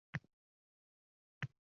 Ermisiz yoki xotin farqi yo‘q.